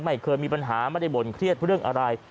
ไม่เคยมีปัญหาไม่ได้บ่นเครียดเรื่องอะไร